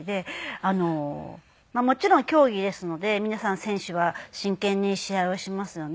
もちろん競技ですので皆さん選手は真剣に試合をしますよね。